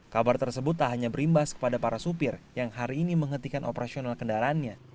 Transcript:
kabar tersebut tak hanya berimbas kepada para supir yang hari ini menghentikan operasional kendaraannya